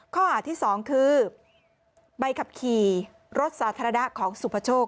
ข้อหาที่๒คือใบขับขี่รถสาธารณะของสุภโชค